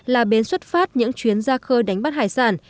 là bến xuất phát những chuyến ra khơi đánh bắt hải sản